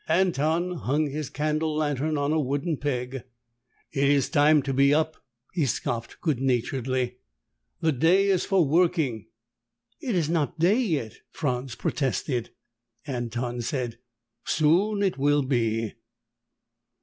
Anton hung his candle lantern on a wooden peg. "It is time to be up," he scoffed good naturedly. "The day is for working." "It is not day yet," Franz protested. Anton said, "Soon it will be."